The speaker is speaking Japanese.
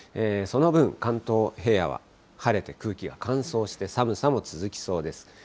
その分、関東平野は晴れて、空気が乾燥して、寒さも続きそうです。